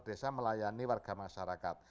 desa melayani warga masyarakat